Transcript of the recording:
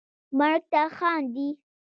مرګ ته خاندي